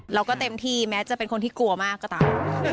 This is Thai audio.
เราก็เต็มที่แม้จะเป็นคนที่กลัวมากก็ตาม